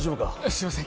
すいません